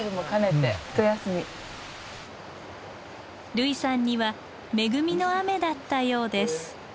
類さんには恵みの雨だったようです。